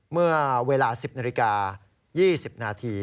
เมื่อเวลา๑๐นาฬิกา๒๐นาที